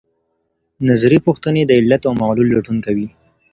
نظري پوښتنې د علت او معلول لټون کوي.